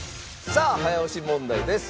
さあ早押し問題です。